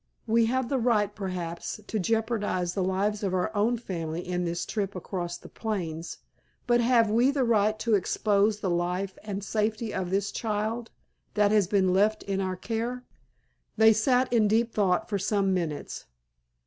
We have the right, perhaps, to jeopardize the lives of our own family in this trip across the plains, but have we the right to expose the life and safety of this child, that has been left in our care?" They sat in deep thought for some minutes.